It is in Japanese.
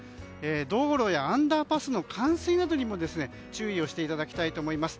道路やアンダーパスの冠水などにも注意していただきたいと思います。